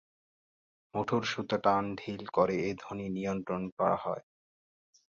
মুঠের সুতা টান-ঢিল করে এ ধ্বনি নিয়ন্ত্রণ করা হয়।